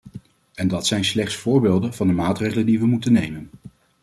En dat zijn slechts voorbeelden van de maatregelen die we moeten nemen.